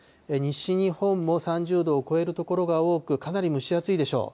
西日本も３０度を超える所が多く、かなり蒸し暑いでしょう。